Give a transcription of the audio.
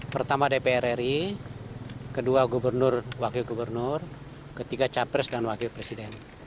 pertama dpr ri kedua gubernur wakil gubernur ketiga capres dan wakil presiden